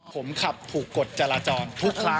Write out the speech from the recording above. ผมขับถูกกฎจราจรทุกครั้ง